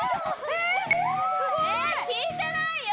えっ聞いてないよ！